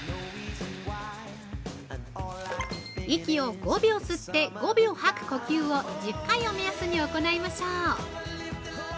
◆息を５秒吸って５秒吐く呼吸を１０回を目安に行いましょう！